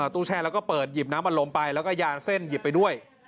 ตู้แช่แล้วก็เปิดหยิบน้ำอัดลมไปแล้วก็ยานเส้นหยิบไปด้วย